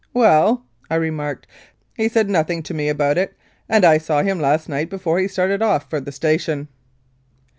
"Well," I remarked, "he said nothing to me about it, and I saw him last night before he started off for the station."